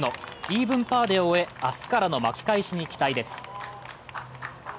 イーブンパーで終え、明日からの巻き返しに期待です。